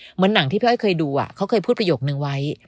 เหมือนหนังที่พี่อ้อยเคยดูเขาเคยพูดประโยคนึงไว้